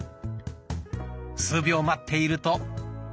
数秒待っていると。